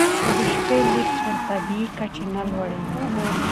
خو د شپې لید تر طبیعي کچې نه لوړوي.